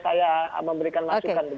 saya memberikan masukan